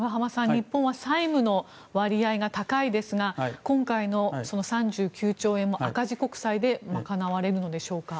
日本は債務の割合が高いですが今回の３９兆円も赤字国債で賄われるのでしょうか？